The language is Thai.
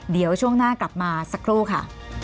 เดี๋ยวช่วงหน้ากลับมาสักครู่ค่ะ